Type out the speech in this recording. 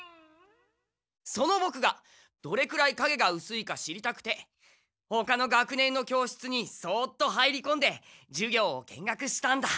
そのボクがどれぐらいかげがうすいか知りたくてほかの学年の教室にそっと入りこんで授業を見学したんだ。